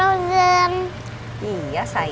oh anginnya yah